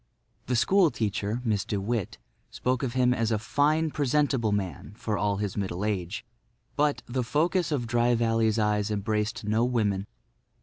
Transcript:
The school teacher, Miss De Witt, spoke of him as "a fine, presentable man, for all his middle age." But, the focus of Dry Valley's eyes embraced no women.